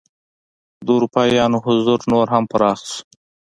د اروپایانو حضور نور هم پراخ شو.